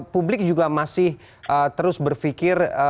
publik juga masih terus berpikir